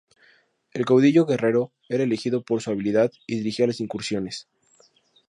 El caudillo guerrero era elegido por su habilidad y dirigía las incursiones.